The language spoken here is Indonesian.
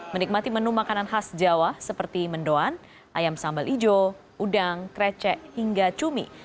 menikmati menu makanan khas jawa seperti mendoan ayam sambal hijau udang krecek hingga cumi